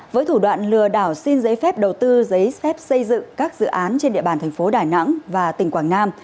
với thủ đoạn lừa đảo xin giấy phép đầu tư giấy phép xây dựng các dự án trên địa bàn thành phố đà nẵng và tỉnh quảng nam